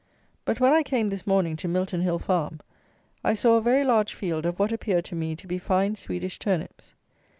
But when I came, this morning, to Milton Hill farm, I saw a very large field of what appeared to me to be fine Swedish turnips.